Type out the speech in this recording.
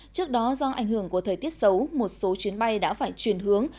trước đó do ảnh hưởng của thời tiết xấu một số chuyến bay đã phải chuyển hướng